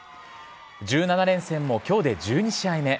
１７連戦も今日で１２試合目。